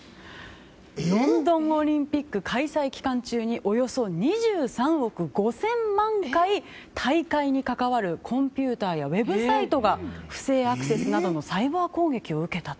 ロンドンオリンピック開催期間中におよそ２３億５０００万回大会に関わるコンピューターやウェブサイトが不正アクセスなどのサイバー攻撃を受けたと。